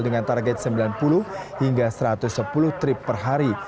dengan target sembilan puluh hingga satu ratus sepuluh trip per hari